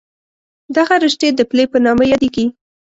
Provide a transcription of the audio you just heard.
دغه رشتې د پلې په نامه یادېږي.